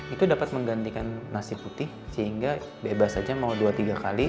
itu dapat menggantikan nasi putih sehingga bebas saja mau dua tiga kali